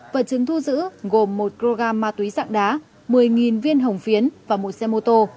vật chứng thu giữ gồm một kg ma túy dạng đá một mươi viên hồng phiến và một xe mô tô